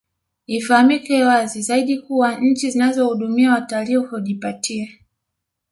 Ifahamike wazi zaidi kuwa nchi zinazowahudumia watalii hujipatia